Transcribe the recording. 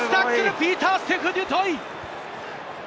ピーターステフ・デュトイ！